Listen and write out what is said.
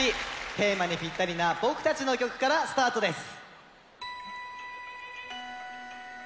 テーマにぴったりな僕たちの曲からスタートです。